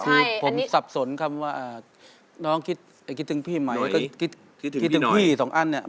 ผมต้องสับสนคำว่าน้องคิดถึงพี่มีใหม่